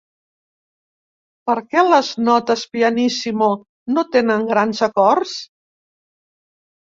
Per què les notes pianissimo no tenen grans acords?